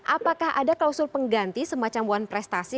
apakah ada klausul pengganti semacam one prestasi